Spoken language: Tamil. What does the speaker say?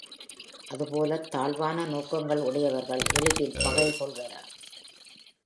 அதுபோல தாழ்வான நோக்கங்கள் உடையவர்கள் எளிதில் பகை கொள்வர.